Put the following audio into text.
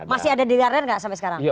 masih ada di radar gak sampai sekarang